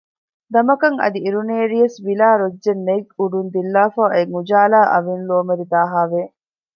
ދަމަކަށް އަދި އިރުނޭރިޔަސް ވިލާ ރޮއްޖެއް ނެތް އުޑުން ދިއްލާފައި އޮތް އުޖާލާ އަވިން ލޯމެރިދާހައި ވެ